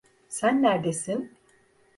Sen nerdesin?